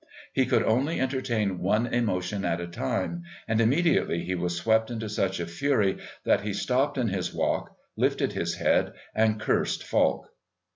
He could only entertain one emotion at a time, and immediately he was swept into such a fury that he stopped in his walk, lifted his head, and cursed Falk.